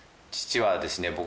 父はですね